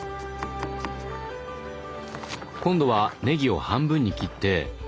今度はねぎを半分に切ってああ